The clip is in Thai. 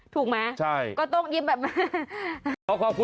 ถูกมั้ยก็ต้องยิ้มแบบ